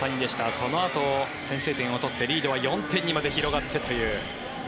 そのあと先制点を取ってリードは４点にまで広がってという。